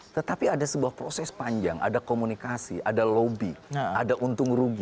tetapi ada sebuah proses panjang ada komunikasi ada lobby ada untung rugi